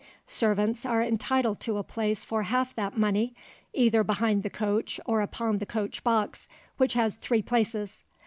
Servants are entitled to a place for half that money, either behind the coach or upon the coach box, which has three places.